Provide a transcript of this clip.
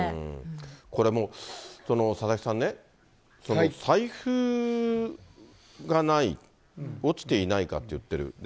これもう、佐々木さんね、財布がない、落ちていないかって言ってる。